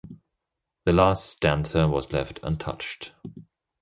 The last stanza was left untouched.